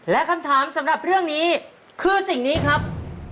และคำถามสำหรับเรื่องนี้คือสิ่งนี้ครับ